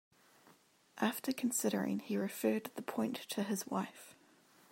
After considering, he referred the point to his wife.